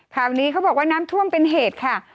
ข่าวนี้เขาบอกว่าน้ำท่วมเป็นเหตุค่ะ